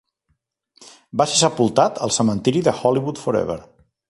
Va ser sepultat al cementiri de Hollywood Forever.